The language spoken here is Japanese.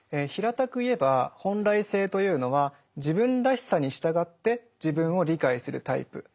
平たく言えば「本来性」というのは自分らしさに従って自分を理解するタイプ。